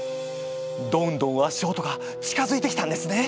どんどん足音が近づいてきたんですね。